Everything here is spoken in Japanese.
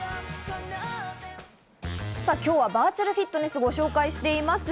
今日はバーチャルフィットネスをご紹介しています。